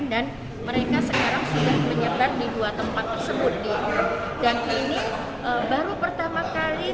dan mereka sekarang sudah menyebar di dua tempat tersebut